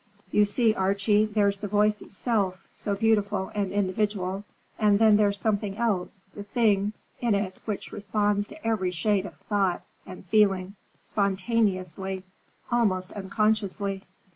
"You see, Archie, there's the voice itself, so beautiful and individual, and then there's something else; the thing in it which responds to every shade of thought and feeling, spontaneously, almost unconsciously.